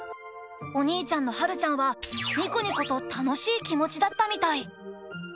お兄ちゃんのはるちゃんは「ニコニコ」と楽しい気持ちだったみたい。